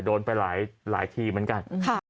โดนไปหลายหลายทีเหมือนกันค่ะ